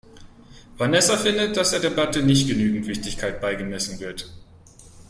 Vanessa findet, dass der Debatte nicht genügend Wichtigkeit beigemessen wird.